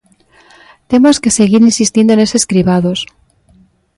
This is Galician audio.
Temos que seguir insistindo neses cribados.